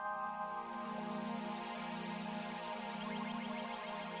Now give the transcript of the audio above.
terima kasih phillip dan lucy